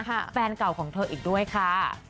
คุณปลอยนะฮะแฟนเก่าของเธออีกด้วยค่ะ